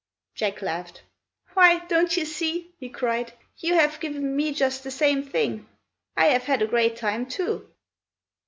Jack laughed. "Why, don't you see," he cried, "you have given me just the same thing? I have had a great time, too."